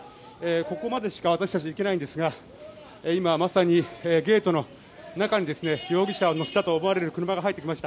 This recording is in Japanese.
ここまでしか私たちは行けないんですが今まさにゲートの中に容疑者を乗せたと思われる車が入ってきました。